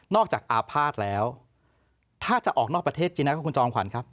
จากอาภาษณ์แล้วถ้าจะออกนอกประเทศจริงนะครับคุณจอมขวัญครับ